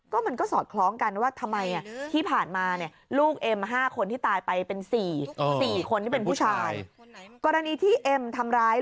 ก็มาสอดคล้องกันว่าทำไมที่ผ่านมา